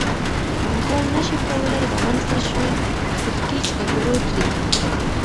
پانګوال نشي کولای رامنځته شوی کړکېچ کنټرول کړي